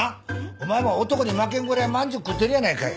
お前も男に負けんぐらいまんじゅう食ってるやないかい。